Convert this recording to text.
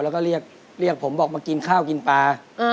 แล้วก็เรียกผมบอกมากินข้าวกินปลา